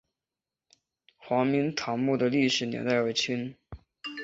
黄明堂墓的历史年代为清。